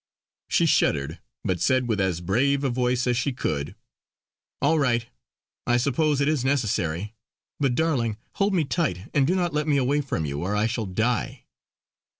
She shuddered, but said with as brave a voice as she could: "All right! I suppose it is necessary. But, darling, hold me tight and do not let me away from you, or I shall die!"